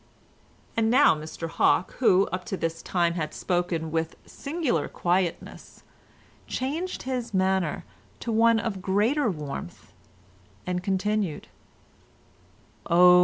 And now Mr Hawke, who up to this time had spoken with singular quietness, changed his manner to one of greater warmth and continued— "Oh!